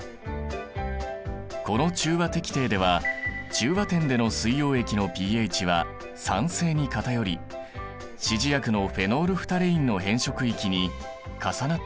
この中和滴定では中和点での水溶液のｐＨは酸性に偏り指示薬のフェノールフタレインの変色域に重なっていない。